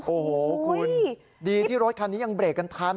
โอ้โหคุณดีที่รถคันนี้ยังเบรกกันทัน